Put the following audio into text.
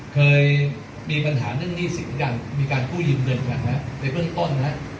เคยมีปัญหานึงนี่สิ่งต้องการมีการกู้ยืมเงินนะครับในเบื้องต้นนะครับ